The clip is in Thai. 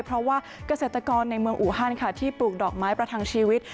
เพราะว่าเกษตรกรในเมืองอูฮันค่ะที่ปลูกดอกไม้ประทังชีวิต